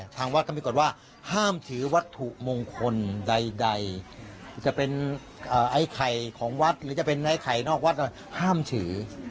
ทางวัดก็มีกฎว่าห้ามถือวัตถุมงคลใดจะเป็นไอ้ไข่ของวัดหรือจะเป็นไอ้ไข่นอกวัดห้ามถือ